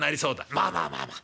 『まあまあまあまあ』